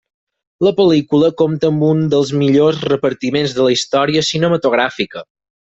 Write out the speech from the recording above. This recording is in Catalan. La pel·lícula compta amb un dels millors repartiments de la història cinematogràfica.